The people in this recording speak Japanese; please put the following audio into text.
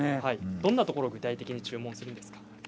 どんなところを具体的に注文しますか。